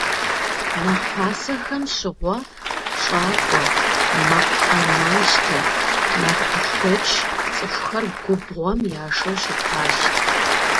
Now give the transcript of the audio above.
Нэхъ пасэхэм щыгъуэ пщӀакӀуэ, мэкъуӀэнащтэ, нартыхудэч цӀыхухэр губгъуэм яшэу щытащ.